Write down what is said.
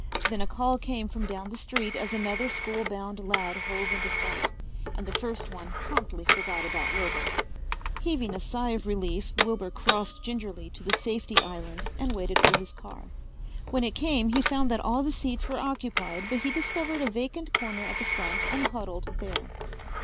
Then a call came from down the street as another school bound lad hove into sight, and the first one promptly forgot about Wilbur. Heaving a sigh of relief, Wilbur crossed gingerly to the safety island and waited for his car. When it came he found that all the seats were occupied but he discovered a vacant corner at the front and huddled there.